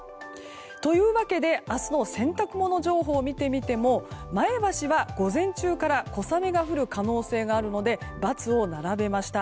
というわけで明日の洗濯物情報を見てみても前橋は午前中から小雨が降る可能性があるので×を並べました。